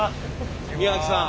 宮脇さん。